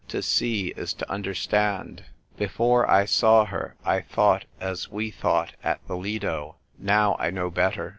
To see is to understand ; before I saw her I thought as we thought at the Lido. Now I know better.